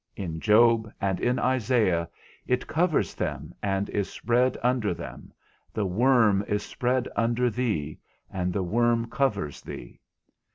In Job and in Isaiah, it covers them and is spread under them, the worm is spread under thee, and the worm covers thee.